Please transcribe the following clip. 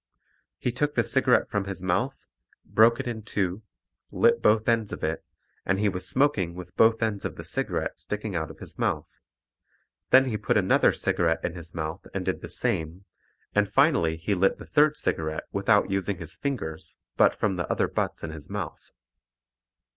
He took the cigarette from his mouth, broke it in two, lit both ends of it, and he was smoking with both ends of the cigarette sticking out of his mouth. Then he put another cigarette in his mouth and did the same, and finally he lit the third cigarette without using his fingers but from the other butts in his mouth.